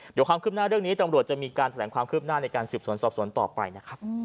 เดี๋ยวความคืบหน้าเรื่องนี้ตำรวจจะมีการแถลงความคืบหน้าในการสืบสวนสอบสวนต่อไปนะครับ